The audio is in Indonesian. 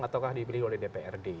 atau di beli oleh dprd